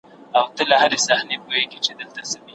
ښه کرکټر په ذهن کي پاته کیږي.